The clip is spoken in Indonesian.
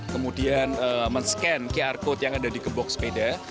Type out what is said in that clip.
kemudian men scan qr code yang ada di gembok sepeda